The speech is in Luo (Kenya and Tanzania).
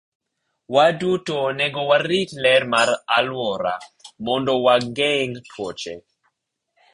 Waduto onego warit ler mar alworawa mondo wageng' tuoche.